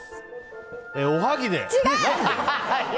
おはぎで！